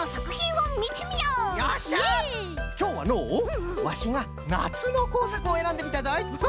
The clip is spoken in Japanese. きょうはのうワシがなつのこうさくをえらんでみたぞい。